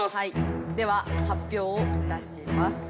では発表を致します。